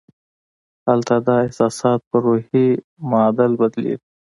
هلته دا احساسات پر روحي معادل بدلېږي